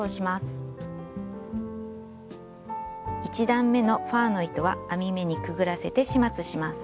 １段めのファーの糸は編み目にくぐらせて始末します。